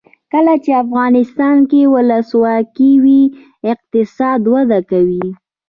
کله چې افغانستان کې ولسواکي وي اقتصاد وده کوي.